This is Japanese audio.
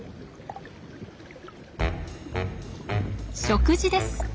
食事です。